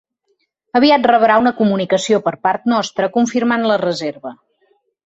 Aviat rebrà una comunicació per part nostra confirmant la reserva.